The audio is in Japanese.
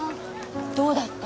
どうだった？